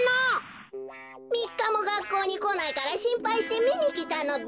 みっかもがっこうにこないからしんぱいしてみにきたのべ。